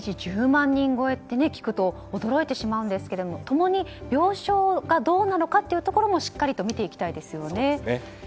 １０万人超えって聞くと驚いてしまうんですが共に病床がどうなのかもしっかりと見ていきたいですよね。